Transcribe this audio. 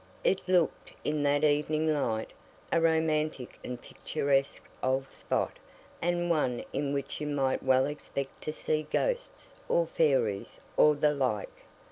It looked, in that evening light, a romantic and picturesque old spot and one in which you might well expect to see ghosts, or fairies, or the like.